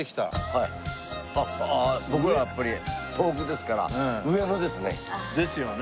僕はやっぱり東北ですから上野ですね。ですよね。